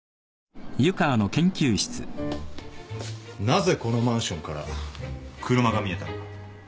なぜこのマンションから車が見えたのか。